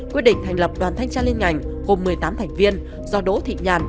quyết định thành lập đoàn thanh tra liên ngành gồm một mươi tám thành viên do đỗ thị nhàn